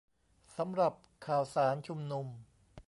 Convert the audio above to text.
สำหรับข่าวสารชุมนุม